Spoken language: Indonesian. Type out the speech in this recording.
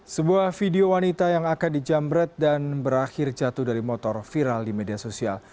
sebuah video wanita yang akan dijamret dan berakhir jatuh dari motor viral di media sosial